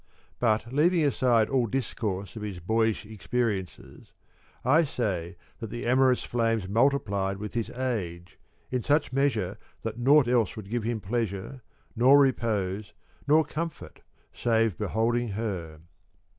But leaving aside all discourse of his boyish experiences I say that the amorous flames multiplied with his age, in such measure that nought else would give him pleasure nor repose nor comfort save beholding her.